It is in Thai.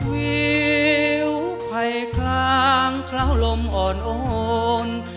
วิวไผ่คลางเคล้าลมอ่อนโอน